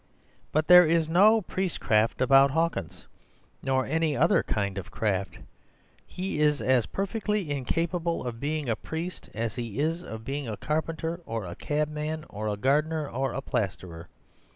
But there is no priestcraft about Hawkins—nor any other kind of craft. He is as perfectly incapable of being a priest as he is of being a carpenter or a cabman or a gardener or a plasterer.